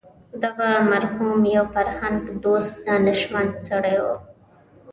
دغه مرحوم یو فرهنګ دوست دانشمند سړی و.